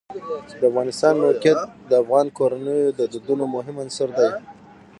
د افغانستان د موقعیت د افغان کورنیو د دودونو مهم عنصر دی.